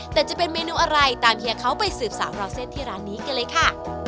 แต่จะเป็นเมนูอะไรตามเฮียเขาไปสืบสาวราวเส้นที่ร้านนี้กันเลยค่ะ